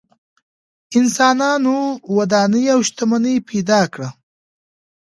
انسانانو ودانۍ او شتمنۍ پیدا کړه.